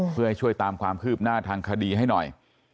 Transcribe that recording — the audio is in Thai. เพื่อให้ช่วยตามความคืบหน้าทางคดีให้หน่อย